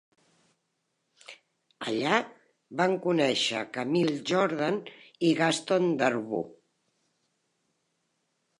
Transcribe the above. Allà, van conèixer Camille Jordan i Gaston Darboux.